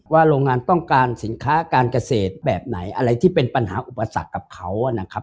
โรงงานต้องการสินค้าการเกษตรแบบไหนอะไรที่เป็นปัญหาอุปสรรคกับเขานะครับ